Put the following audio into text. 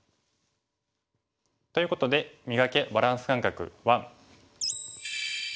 ということで「磨け！バランス感覚１」。